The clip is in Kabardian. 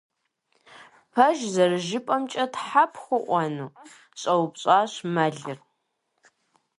- Пэж зэрыжыпӀэмкӀэ Тхьэ пхуэӀуэну? - щӀэупщӀащ мэлыр.